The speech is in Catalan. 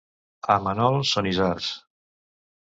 A Manol són isards.